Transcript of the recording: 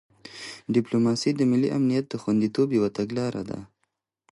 ډیپلوماسي د ملي امنیت د خوندیتوب یو تګلاره ده.